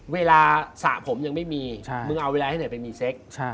เวลาสระผมยังไม่มีมึงเอาเวลาให้หน่อยไปมีเซ็ก